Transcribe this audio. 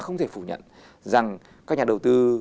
không thể phủ nhận rằng các nhà đầu tư